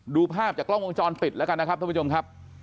ดูภาพจากกล้องวงจรปิดแล้วกันนะครับท่านผู้ชมครับ